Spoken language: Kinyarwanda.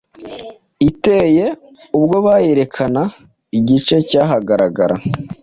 iteye ubwobayerekana Igice cyahagarara